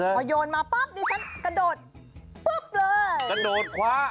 เขาโยนมาป๊อบนี่ฉันกระโดดปุ๊บเลยกระโดดขวา